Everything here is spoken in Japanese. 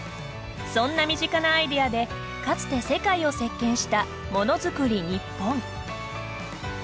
そんな身近なアイデアでかつて世界を席けんしたモノづくり日本。